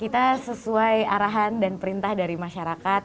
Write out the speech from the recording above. kita sesuai arahan dan perintah dari masyarakat